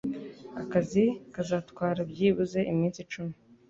Akazi kazatwara byibuze iminsi icumi.